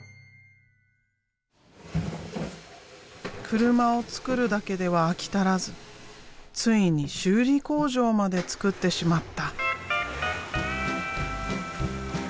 車を作るだけでは飽き足らずついに修理工場まで作ってしまった。